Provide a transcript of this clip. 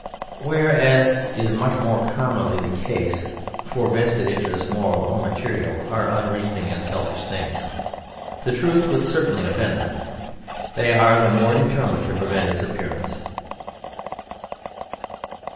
Where, as is much more commonly the case (for vested interests, moral or material, are unreasoning and selfish things), the truth would certainly offend them, they are the more determined to prevent its appearance.